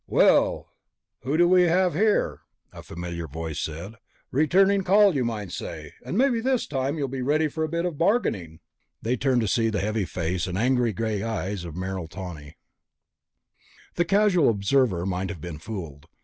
"Well, who do we have here?" a familiar voice said. "Returning a call, you might say. And maybe this time you'll be ready for a bit of bargaining." They turned to see the heavy face and angry eyes of Merrill Tawney. 8. The Scavengers of Space The casual observer might have been fooled.